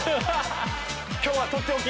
今日はとっておき